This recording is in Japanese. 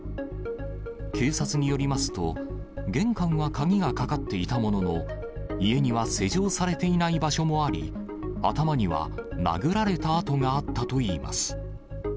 警察によりますと、玄関は鍵がかかっていたものの、家には施錠されていない場所もあり、頭には殴られた痕があったといいます。